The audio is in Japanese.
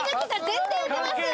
全然撃てます。